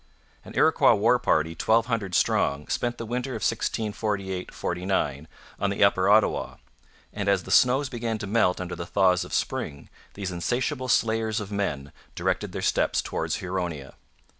An Iroquois war party twelve hundred strong spent the winter of 1648 49 on the upper Ottawa; and as the snows began to melt under the thaws of spring these insatiable slayers of men directed their steps towards Huronia.